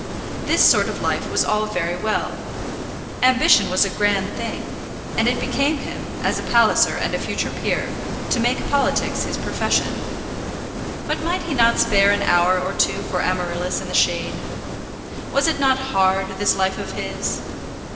This sort of life was all very well. Ambition was a grand thing, and it became him, as a Palliser and a future peer, to make politics his profession. But might he not spare an hour or two for Amaryllis in the shade? Was it not hard, this life of his?